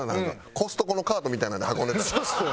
コストコのカートみたいなんで運んでたな。